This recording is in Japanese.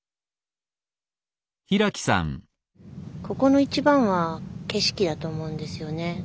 ここの一番は景色だと思うんですよね。